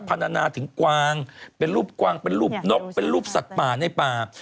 พันนาถึงกวางเป็นรูปกวางเป็นรูปนกเป็นรูปสัตว์ป่าในป่า